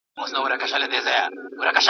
دوى به يو پر بل كوله گوزارونه.